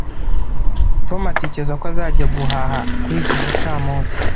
Tom atekereza ko azajya guhaha kuri iki gicamunsi